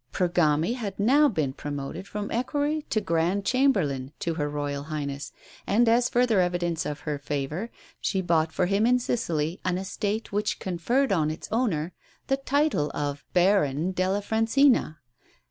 Pergami had now been promoted from equerry to Grand Chamberlain to Her Royal Highness, and as further evidence of her favour, she bought for him in Sicily an estate which conferred on its owner the title of Baron della Francina.